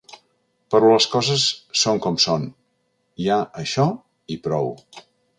Però les coses són com són: hi ha això i prou.